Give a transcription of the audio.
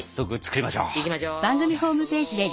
いきましょう。